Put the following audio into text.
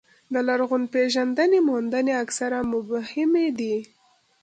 د لرغونپېژندنې موندنې اکثره مبهمې دي.